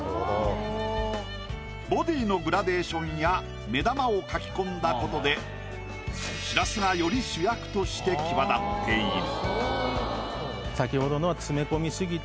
ボディーのグラデーションや目玉を描き込んだことでしらすがより主役として際立っている。